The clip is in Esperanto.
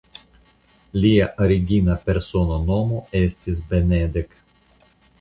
Lia origina persona nomo estis "Benedek".